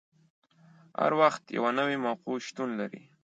هر وخت یوه نوې موقع شتون لري.